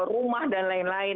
rumah dan lain lain